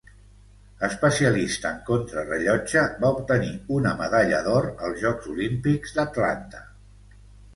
Especialista en contrarellotge, va obtenir una medalla d'or als Jocs Olímpics d'Atlanta.